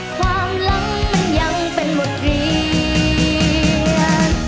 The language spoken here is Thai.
ความหลังมันยังเป็นบทเรียน